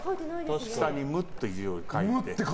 下に「無」って字を書いて。